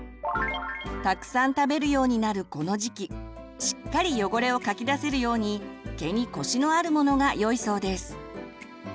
たくさん食べるようになるこの時期しっかり汚れをかき出せるように毛にコシのあるものがよいそうです。